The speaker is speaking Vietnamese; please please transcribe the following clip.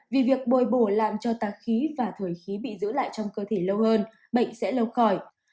vì việc bồi bổ làm cho tạc khí và thổi khí bị giữ lại trong cơ thể lâu hơn bệnh sẽ lâu khỏi